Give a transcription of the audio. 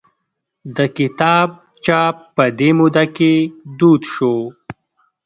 د کتاب چاپ په دې موده کې دود شو.